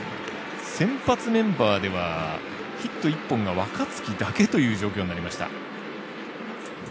先発メンバーでは、ヒット１本が若月だけという状況になりました。